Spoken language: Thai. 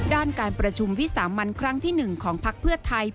การประชุมวิสามันครั้งที่๑ของพักเพื่อไทย